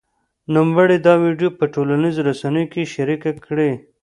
نوموړي دا ویډیو په ټولنیزو رسنیو کې شرېکه کړې